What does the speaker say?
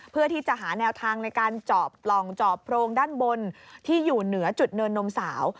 เพื่อที่จะหาแนวทางในการเจาะปล่องเจาะโพรงด้านบนที่อยู่เหนือจุดเนินนมสาว